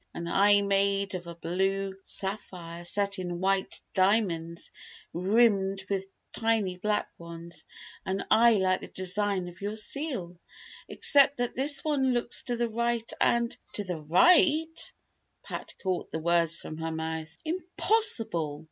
An eye made of a blue sapphire, set in white diamonds, rimmed with tiny black ones; an eye like the design of your seal, except that this one looks to the right, and " "To the right!" Pat caught the words from her mouth. "Impossible!"